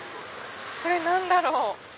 これ何だろう？